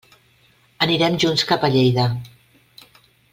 Anirem junts cap a Lleida.